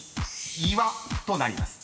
［「岩」となります］